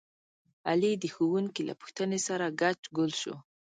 علي د ښوونکي له پوښتنې سره ګچ ګول شو.